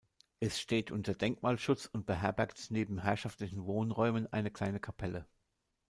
Es steht unter Denkmalschutz und beherbergt neben herrschaftlichen Wohnräumen eine kleine Kapelle.